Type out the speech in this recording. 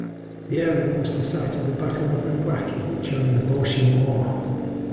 The area was the site of the Battle of Iwaki during the Boshin War.